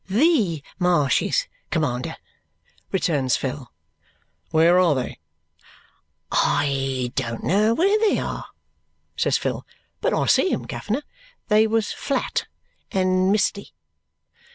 "THE marshes, commander," returns Phil. "Where are they?" "I don't know where they are," says Phil; "but I see 'em, guv'ner. They was flat. And miste."